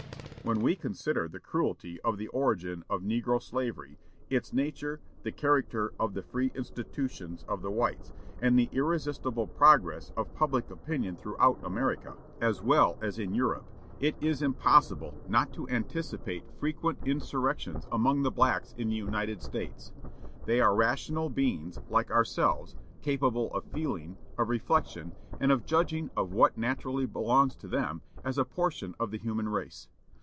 "When we consider the cruelty of the origin of negro slavery, its nature, the character of the free institutions of the whites, and the irresistible progress of public opinion throughout America, as well as in Europe, it is impossible not to anticipate frequent insurrections among the blacks in the United States; they are rational beings like ourselves, capable of feeling, of reflection, and of judging of what naturally belongs to them as a portion of the human race.